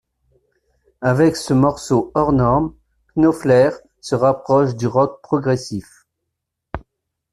Avec ce morceau hors normes, Knopfler se rapproche du rock progressif.